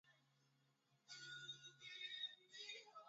Takribani watu elfu ishirini na nane hufariki kila mwaka